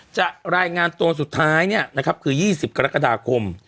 จะรายงานตัวสุดท้ายเนี้ยนะครับคือยี่สิบกรกฎาคม